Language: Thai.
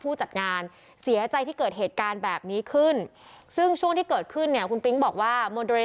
จัดงานเสียใจที่เกิดเหตุการณ์แบบนี้ขึ้นซึ่งช่วงที่เกิดขึ้นเนี่ยคุณปิ๊งบอกว่ามนตรี